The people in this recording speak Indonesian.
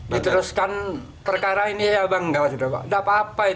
diteruskan perkara ini saya bangga